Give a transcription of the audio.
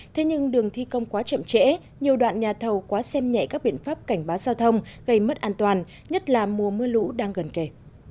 thế nhưng đường thi công quá chậm trễ nhiều đoạn nhà thầu quá xem nhẹ các biện pháp cảnh báo giao thông gây mất an toàn nhất là mùa mưa lũ đang gần kề